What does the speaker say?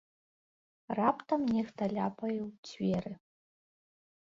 Раптам нехта ляпае ў дзверы.